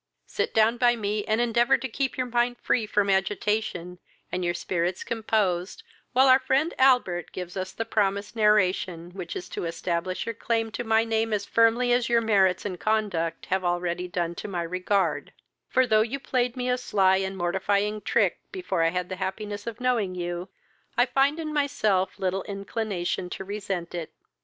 Sit down by me, and endeavour to keep your mind free from agitation, and your spirits composed, while our friend Albert gives us the promised narration, which is to establish your claim to my name as firmly as your merits and conduct have already done to my regard; for, though you played me a sly and mortifying trick before I had the happiness of knowing you, I find in myself little inclination to resent it.